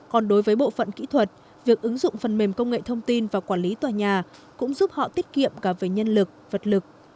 còn đối với bộ phận kỹ thuật việc ứng dụng phần mềm công nghệ thông tin và quản lý tòa nhà cũng giúp họ tiết kiệm cả về nhân lực vật lực